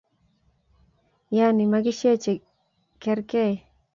Yaani makishe che kerkei.